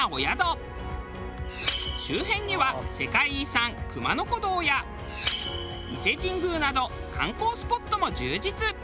周辺には世界遺産熊野古道や伊勢神宮など観光スポットも充実。